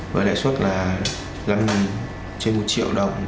với lãi suất là năm trên một triệu đồng